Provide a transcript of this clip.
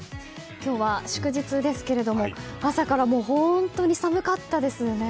今日は祝日ですけれども朝から本当に寒かったですよね。